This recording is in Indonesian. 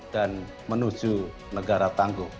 dan menuju negara tangguh